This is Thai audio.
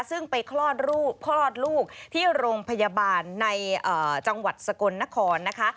ซึ่งไปคลอดลูกคลอดลูกที่โรงพยาบาลในจังหวัดสกลนครนะคะ